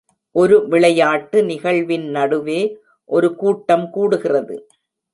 ஒரு விளையாட்டு நிகழ்வின் நடுவே ஒரு கூட்டம் கூடுகிறது.